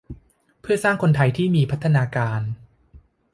เพื่อสร้างคนไทยที่มีพัฒนาการ